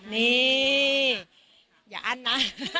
นี่อย่าอั้นนะ